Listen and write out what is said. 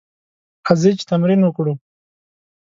راځئ چې تمرين وکړو.